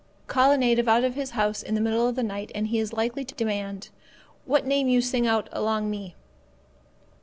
Call a native out of his house in the middle of the night, and he is likely to demand, "What name you sing out along me?"